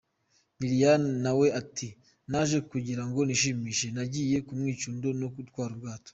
Liliyane na we ati “Naje kugira ngo nishimishe, nagiye ku mwicundo no gutwara ubwato.